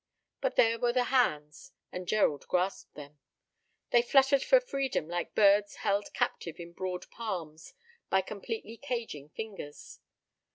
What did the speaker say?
But there were the hands, and Gerald grasped them. They fluttered for freedom, like birds held captive in broad palms by completely caging fingers.